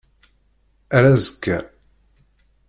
Ar azekka.